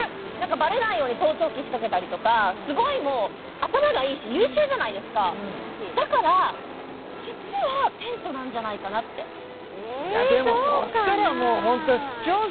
バレないように盗聴器仕掛けたりとかすごいもう頭がいいし優秀じゃないですかだから実はテントなんじゃないかなっていやでもそしたらもうホントえっそうかな